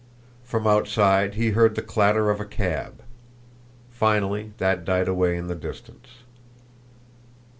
From outside he heard the clatter of a cab. Finally that died away in the distance.